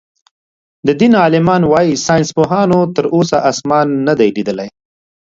د دين عالمان وايي ساينسپوهانو تر اوسه آسمان نۀ دئ ليدلی.